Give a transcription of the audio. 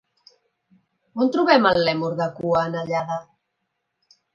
On trobem el lèmur de cua anellada?